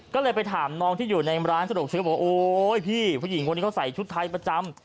ก็เลยไปถามน้องที่อยู่ในร้านสะดวกซื้อบอกโอ๊ยพี่ผู้หญิงคนนี้เขาใส่ชุดไทยประจำ